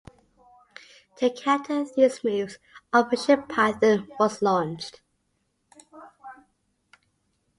To counter these moves, Operation "Python" was launched.